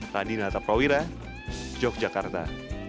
randi nahdlatrawira yogyakarta